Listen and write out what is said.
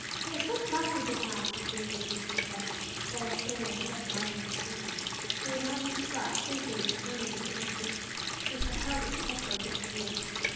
Yes, what thoughts of the past!" repeated Lucius to himself, while a sterner expression marked his features; for he had now reached a spot associated with memories of the Inquisition, which had held its headquarters at Seville.